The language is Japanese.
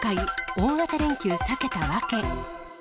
大型連休さけた訳。